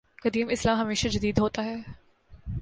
قدیم اسلام ہمیشہ جدید ہوتا ہے۔